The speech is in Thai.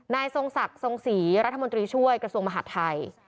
ทรงศักดิ์ทรงศรีรัฐมนตรีช่วยกระทรวงมหาดไทย